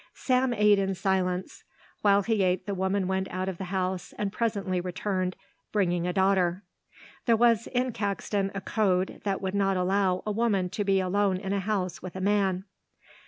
Sam ate in silence. While he ate the woman went out of the house and presently returned, bringing a daughter. There was in Caxton a code that would not allow a woman to be alone in a house with a man.